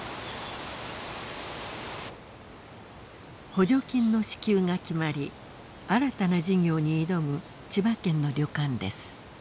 補助金の支給が決まり新たな事業に挑む千葉県の旅館です。